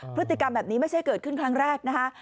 พฤติกรรมแบบนี้ไม่ใช่เกิดขึ้นครั้งแรกนะคะ